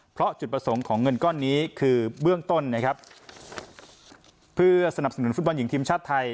เพราะจุดประสงค์ของเงินก้อนนี้คือเบื้องต้นนะครับเพื่อสนับสนุนฟุตบอลหญิงทีมชาติไทย